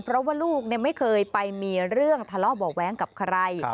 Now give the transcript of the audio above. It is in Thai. เพราะว่าลูกไม่เคยไปมีเรื่องทะเลาะเบาะแว้งกับใคร